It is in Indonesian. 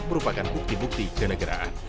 merupakan bukti bukti kenegaraan